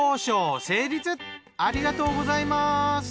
ありがとうございます。